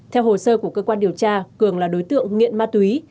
theo hồ sơ của cơ quan điều tra cường là đối tượng nghiện ma túy